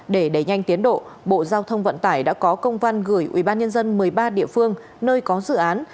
để đẩy nhanh tiến độ bộ giao thông vận tải đã có công văn gửi ubnd một mươi ba địa phương nơi có dự án